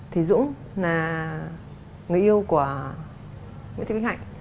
thì dũng là người yêu của nguyễn thị bích hạnh